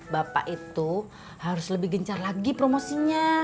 bapak itu harus lebih gencar lagi promosinya